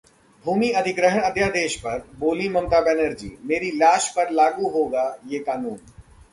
भूमि अधिग्रहण अध्यादेश पर बोलीं ममता बनर्जी, मेरी लाश पर लागू होगा ये कानून